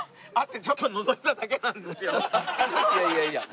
いやいやいや。